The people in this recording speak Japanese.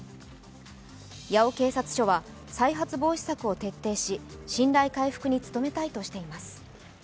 八尾警察署は再発防止策を徹底し、信頼回復に努めたいとしています。